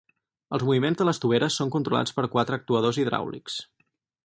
Els moviments de les toveres són controlats per quatre actuadors hidràulics.